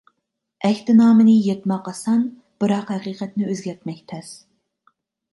ئەھدىنامىنى يىرتماق ئاسان، بىراق ھەقىقەتنى ئۆزگەرتمەك تەس.